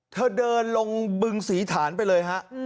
เธอเดินลงบึงศรีฐานไปเลยฮะ